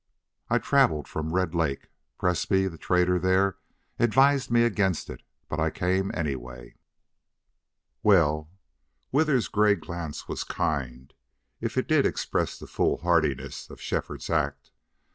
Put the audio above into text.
"I traveled from Red Lake. Presbrey, the trader there, advised against it, but I came anyway." "Well." Withers's gray glance was kind, if it did express the foolhardiness of Shefford's act.